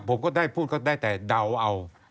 ผมก็ได้พูดก็ได้แต่เดาเอา